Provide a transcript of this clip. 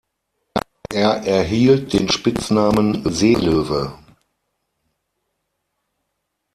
Er erhielt den Spitznamen "Seelöwe".